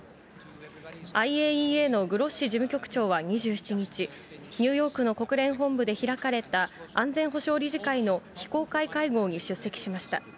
ＩＡＥＡのグロッシ事務局長は２７日、ニューヨークの国連本部で開かれた安全保障理事会の非公開会合に出席しました。